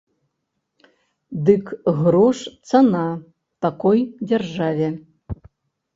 Дык грош цана такой дзяржаве.